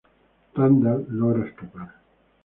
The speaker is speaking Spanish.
Randall logra escapar.